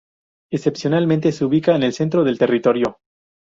Excepcionalmente se ubica en el centro del territorio.